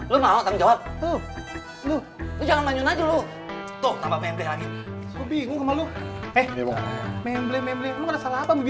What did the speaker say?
lu mau tanggung jawab